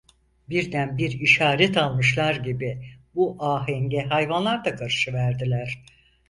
Birden bir işaret almışlar gibi bu ahenge hayvanlar da karışıverdiler.